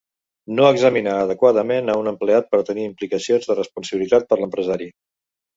No examinar adequadament a un empleat pot tenir implicacions de responsabilitat per l'empresari.